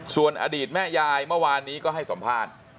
ส่วนอดีตแม่ยายเมื่อวานนี้ก็ให้สัมภาษณ์